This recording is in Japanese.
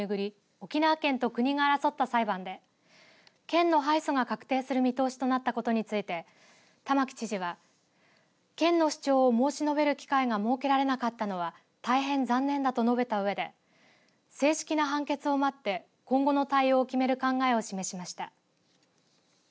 沖縄県と国が争った裁判で県の敗訴が確定する見通しとなったことについて玉城知事は県の主張を申し述べる機会が設けられなかったのは大変残念だと述べたうえで正式な判決を待って今後の対応を決める考えを示しました。